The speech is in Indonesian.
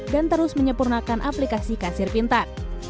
dan terus menyempurnakan aplikasi kasir pintar